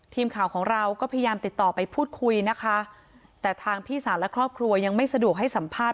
ทีมข่าวของเราก็พยายามติดต่อไปพูดคุยนะคะแต่ทางพี่สาวและครอบครัวยังไม่สะดวกให้สัมภาษณ